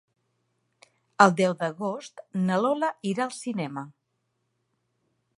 El deu d'agost na Lola irà al cinema.